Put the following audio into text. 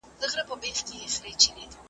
له یوه بامه تر بله یې ځغستله `